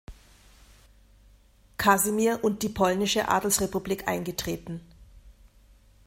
Kasimir und die Polnische Adelsrepublik eingetreten.